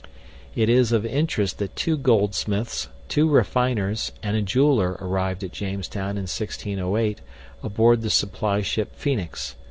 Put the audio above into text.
It is of interest that 2 goldsmiths, 2 refiners, and a jeweler arrived at Jamestown in 1608 aboard the supply ship Phoenix.